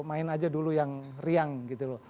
main aja dulu yang riang gitu loh